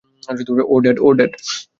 Oh Dave, Dave.